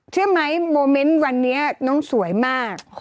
เชื่อไหมโมเมนต์วันนี้น้องสวยมาก